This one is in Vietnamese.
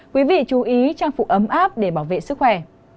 quý vị chú ý trang phục ấm áp để bảo vệ sức khỏe